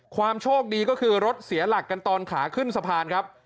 ความโชคดีก็คือรถเสียหลักกันตอนขาขึ้นสะพานครับ